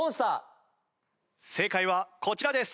正解はこちらです。